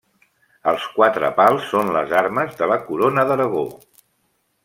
Els quatre pals són les armes de la Corona d'Aragó.